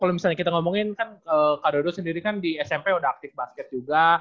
kalau misalnya kita ngomongin kan kak dodo sendiri kan di smp sudah aktif basket juga